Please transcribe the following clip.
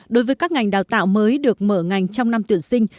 đối với các ngành đào tạo mới được mở ngành trong năm tuyển sinh